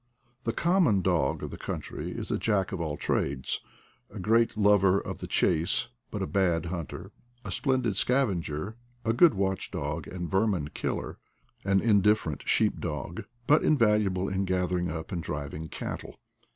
The common dog of the country is a jack of all trades; a great lover of the chase, but a bad hunter, a splendid scavenger, a good watch dog and vermin killer; an indifferent sheep dog, but < invaluable in gathering up and driving cattle.